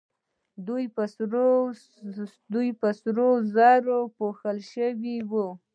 دوی په سرو زرو پوښل شوې وې